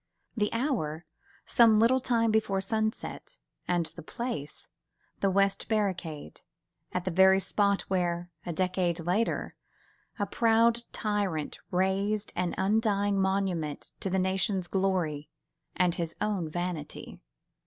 The hour, some little time before sunset, and the place, the West Barricade, at the very spot where, a decade later, a proud tyrant raised an undying monument to the nation's glory and his own vanity.